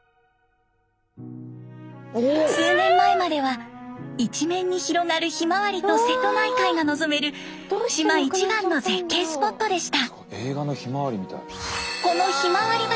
数年前までは一面に広がるひまわりと瀬戸内海が望める島一番の絶景スポットでした。